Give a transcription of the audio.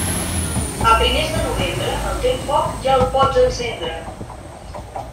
A primers de novembre, el teu foc ja el pots encendre.